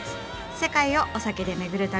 世界をお酒で巡る旅。